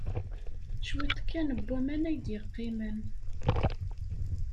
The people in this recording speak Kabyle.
Cwiṭ kan n waman ay d-yeqqimen.